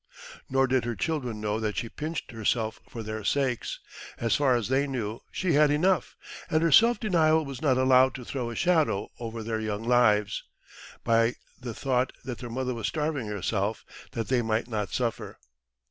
Nor did her children know that she pinched herself for their sakes; as far as they knew, she had enough, and her self denial was not allowed to throw a shadow over their young lives, by the thought that their mother was starving herself that they might not suffer.